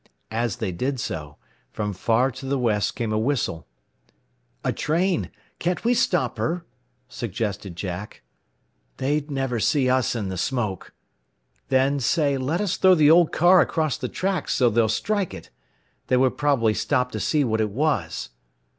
As they did so, from far to the west came a whistle. "A train! Can't we stop her?" suggested Jack. "They'd never see us in the smoke." "Then, say, let us throw the old car across the tracks, so they'll strike it. They would probably stop to see what it was."